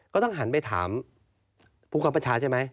ก็ต้องหันไปถามผู้คับประชาใช่ไหม